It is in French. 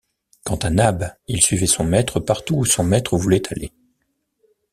Quant à Nab, il suivait son maître partout où son maître voulait aller.